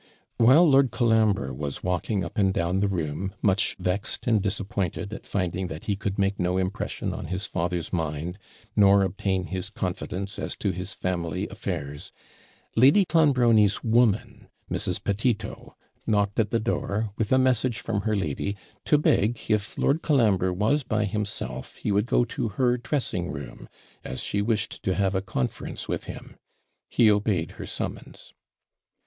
While Lord Colambre was walking up and down the room, much vexed and disappointed at finding that he could make no impression on his father's mind, nor obtain his confidence as to his family affairs, Lady Clonbrony's woman, Mrs. Petito, knocked at the door, with a message from her lady, to beg, if Lord Colambre was BY HIMSELF; he would go to her dressing room, as she wished to have a conference with him. He obeyed her summons.